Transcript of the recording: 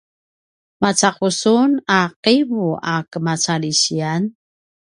maca’u sun a ’ivu a kemacalisiyanan?